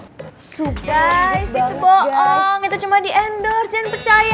guys itu boong itu cuma diendor jangan percaya